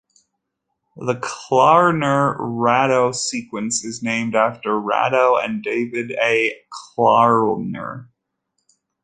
The Klarner-Rado Sequence is named after Rado and David A. Klarner.